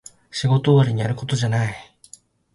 仕事終わりにやることじゃない